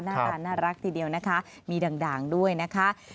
หน้าตาน่ารักทีเดียวนะคะมีด่างด้วยนะคะ